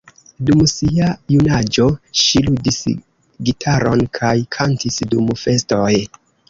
Dum sia junaĝo ŝi ludis gitaron kaj kantis dum festoj.